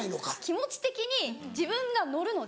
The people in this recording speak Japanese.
気持ち的に自分が乗るので。